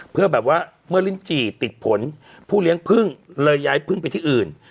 เพื่อแบบว่าเมื่อลิ้นจี่ติดผลผู้เลี้ยงพึ่งเลยย้ายพึ่งไปที่อื่น